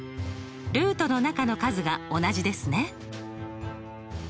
ルートの中の数が同じですね。